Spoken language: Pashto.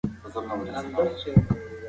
شریف خپل زوی ته د کلا د جوړولو تاریخ بیان کړ.